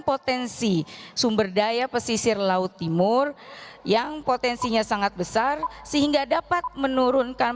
potensi sumber daya pesisir laut timur yang potensinya sangat besar sehingga dapat menurunkan